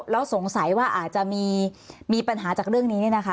แล้วสงสัยว่าอาจจะมีปัญหาจากเรื่องนี้